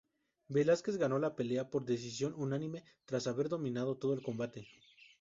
Velásquez ganó la pelea por decisión unánime, tras haber dominado todo el combate.